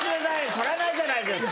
それはないじゃないですか。